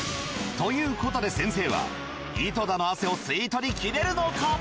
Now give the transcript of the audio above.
ということで先生は井戸田の汗を吸い取り切れるのか？